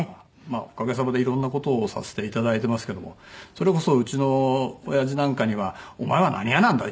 まあおかげさまでいろんな事をさせていただいてますけどもそれこそうちのおやじなんかには「お前は何屋なんだ。